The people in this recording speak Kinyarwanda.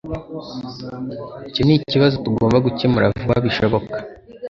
Icyo nikibazo tugomba gukemura vuba bishoboka.